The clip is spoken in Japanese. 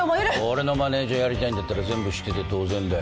俺のマネジャーやりたいんだったら全部知ってて当然だよ。